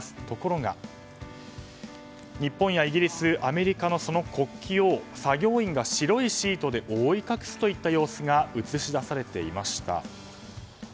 ところが、日本やイギリスアメリカのその国旗を作業員が白いシートで覆い隠す様子が映し出されていました。